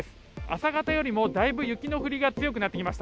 朝方よりもだいぶ雪の降りが強くなってきました。